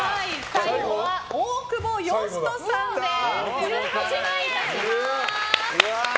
最後は大久保嘉人さんです。